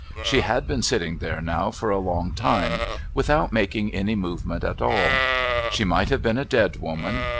She had been sitting there now for a long time without making any movement at all. She might have been a dead woman.